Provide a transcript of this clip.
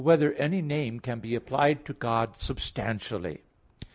2] Whether Any Name Can Be Applied to God Substantially?